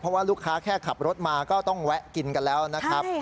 เพราะว่าลูกค้าแค่ขับรถมาก็ต้องแวะกินกันแล้วนะครับ